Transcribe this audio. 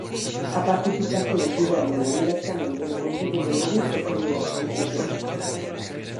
A participación tivémola directamente no Concello de Marín porque nola solicitou.